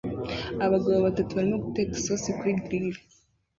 Abagabo batatu barimo guteka isosi kuri grill